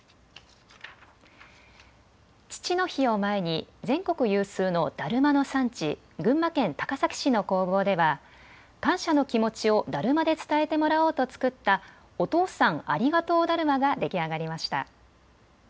父の日を前に全国有数のだるまの産地群馬県高崎市の工房では感謝の気持ちをだるまで伝えてもらおうと作った、お父さんありがとうだるまが出来上がりました。